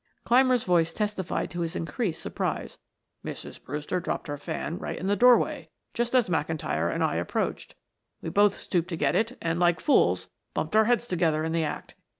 Clymer's voice testified to his increased surprise. "Mrs. Brewster dropped her fan right in the doorway just as McIntyre and I approached; we both stooped to get it and, like fools; bumped our heads together in the act.